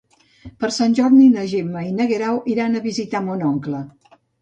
Per Sant Jordi na Gemma i en Guerau iran a visitar mon oncle.